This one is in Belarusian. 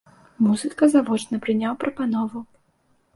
Музыка завочна прыняў прапанову.